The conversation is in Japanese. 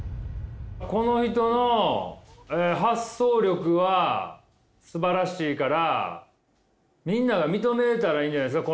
この人の発想力はすばらしいからみんなが認めたらいいんじゃないですか